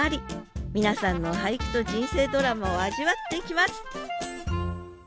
皆さんの俳句と人生ドラマを味わっていきます